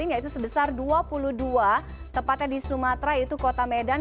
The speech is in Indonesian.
yaitu sebesar dua puluh dua tepatnya di sumatera yaitu kota medan